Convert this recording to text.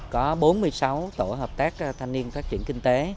có bốn mươi sáu tổ hợp tác thanh niên phát triển kinh tế